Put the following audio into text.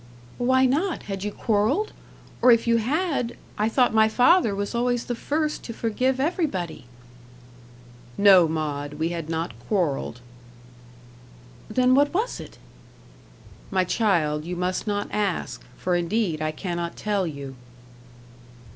"Why not? Had you quarrelled? or if you had, I thought my father was always the first to forgive everybody." "No, Maud, we had not quarrelled." "Then, what was it?" "My child, you must not ask, for indeed I cannot tell you."